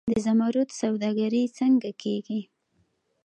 د زمرد سوداګري څنګه کیږي؟